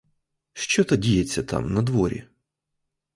Що то діється там, надворі?